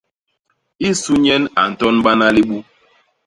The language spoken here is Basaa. I su nyen a ntonbana libu.